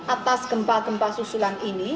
atas gempa gempa susulan ini